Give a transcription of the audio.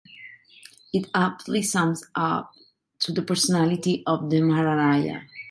It aptly sums up the personality of the Maharaja.